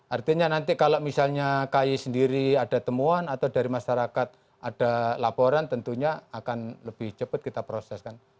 artinya nanti kalau misalnya ki sendiri ada temuan atau dari masyarakat ada laporan tentunya akan lebih cepat kita proseskan